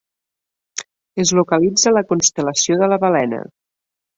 Es localitza a la Constel·lació de la Balena.